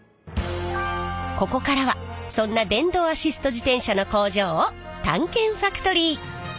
ここからはそんな電動アシスト自転車の工場を探検ファクトリー！